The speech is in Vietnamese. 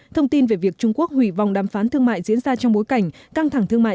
thông tin về việc trung quốc hủy vòng đàm phán thương mại diễn ra trong bối cảnh căng thẳng thương mại